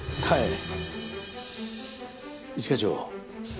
はい。